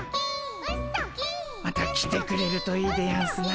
また来てくれるといいでやんすな。